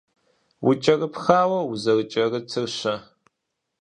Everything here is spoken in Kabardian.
УкӀэрыпхауэ узэрыкӀэрытыр-щэ?